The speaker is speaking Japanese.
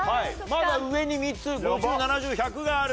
まだ上に３つ５０７０１００がある。